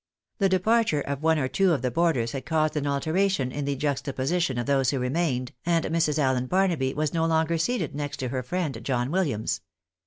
The departure of one or two of the boarders had caused an alteration in the juxtaposition of those who remained, and Mrs. Allen Barnaby was no longer seated next to her friend John Williams.